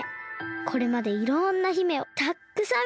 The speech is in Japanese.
これまでいろんな姫をたっくさんみてきました。